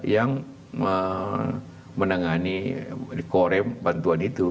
yang menangani korem bantuan itu